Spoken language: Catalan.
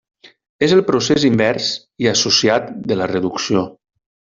És el procés invers i associat de la reducció.